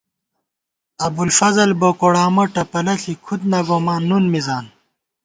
ابُوالفضل بوکوڑامہ، ٹَپَلہ ݪی کھُدنہ گومان نُن مِزان